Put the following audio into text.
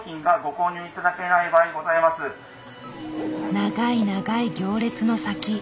長い長い行列の先。